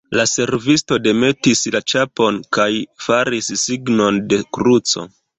La servisto demetis la ĉapon kaj faris signon de kruco.